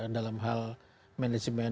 dalam hal manajemen